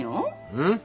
うん？